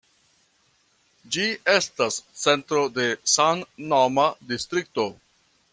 Ĝi estas centro de samnoma distrikto.